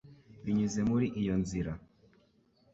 Binyuze muri iyo nzira;